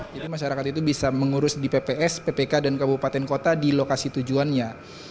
jadi masyarakat itu bisa mengurus di pps ppk dan kabupaten kota di lokasi tujuannya